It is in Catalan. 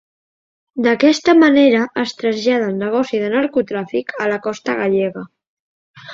D'aquesta manera, es trasllada el negoci de narcotràfic a la costa gallega.